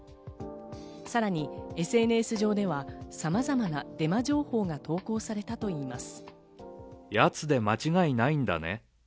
さらにＳＮＳ上ではさまざまなデマ情報が投稿されたといいます。